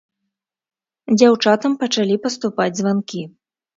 Дзяўчатам пачалі паступаць званкі.